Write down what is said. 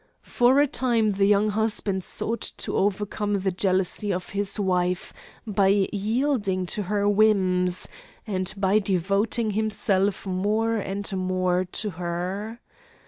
For a time the young husband sought to overcome the jealousy of his wife by yielding to her whims, and by devoting himself more and more to her.